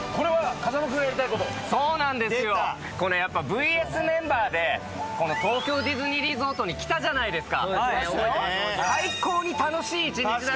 ＶＳメンバーでこの東京ディズニーリゾートに来たじゃないですか。